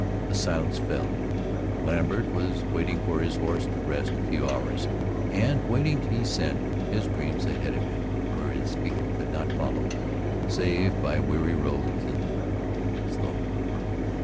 A silence fell. Lambert was waiting for his horse to rest a few hours, and, waiting, he sent his dreams ahead of him where his feet could not follow save by weary roads and slow.